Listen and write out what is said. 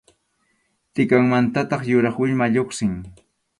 Tʼikanmantataq yuraq millwa lluqsin.